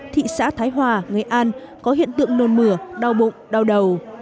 thị xã thái hòa nghệ an có hiện tượng nôn mửa đau bụng đau đầu